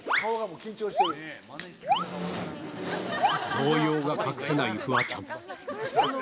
動揺が隠せないフワちゃん。